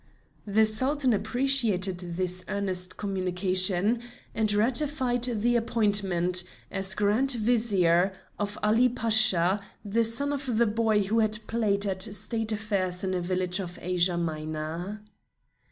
The Sultan appreciated this earnest communication, and ratified the appointment, as Grand Vizier, of Ali Pasha, the son of the boy who had played at state affairs in a village of Asia Minor.